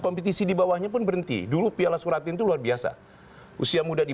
masih agak berisik gini di